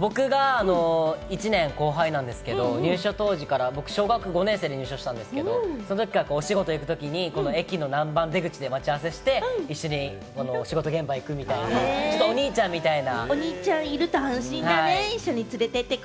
僕が１年後輩なんですけれども、入所当時から僕、小学５年生で入所したんですけれども、そのときからお仕事行くときに駅の何番出口で待ち合わせして一緒に仕事現場に行くみたいな、ちょっとお兄ちゃんみたいな。